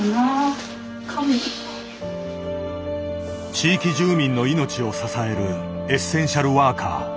地域住民の命を支えるエッセンシャルワーカー。